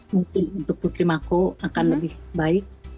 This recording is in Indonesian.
mungkin untuk putri mako akan lebih baik